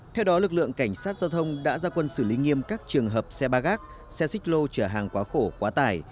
theo đó lực lượng cảnh sát giao thông đã ra quân xử lý nghiêm các trường hợp xe ba gác xe xích lô chở hàng quá khổ quá tải